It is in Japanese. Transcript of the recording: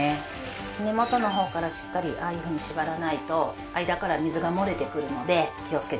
根元の方からしっかりああいうふうに縛らないと間から水が漏れてくるので気をつけてください。